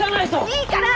いいから。